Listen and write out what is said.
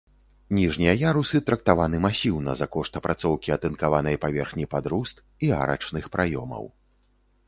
Ніжнія ярусы трактаваны масіўна за кошт апрацоўкі атынкаванай паверхні пад руст і арачных праёмаў.